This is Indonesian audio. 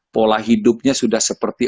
pola hidupnya sudah seperti